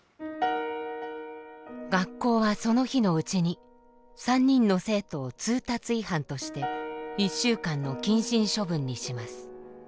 学校はその日のうちに３人の生徒を通達違反として１週間の謹慎処分にします。